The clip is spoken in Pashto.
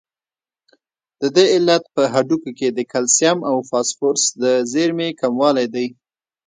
د دې علت په هډوکو کې د کلسیم او فاسفورس د زیرمې کموالی دی.